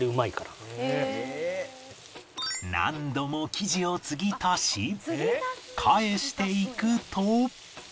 何度も生地を継ぎ足し返していくと